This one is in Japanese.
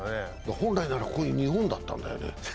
本来ならここに日本だったんだよね。